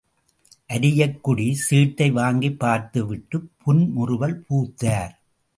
அரியக்குடி சீட்டை வாங்கிப் பார்த்து விட்டுப் புன்முறுவல் பூத்தார்.